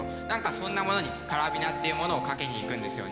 そんなものにカラビナっていうものを掛けに行くんですよね。